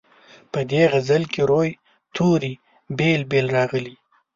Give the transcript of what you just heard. په دې غزل کې روي توري بېل بېل راغلي.